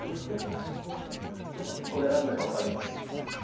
これ何だか分かる？